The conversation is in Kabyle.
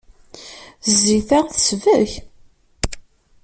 Zzit-a tesbek.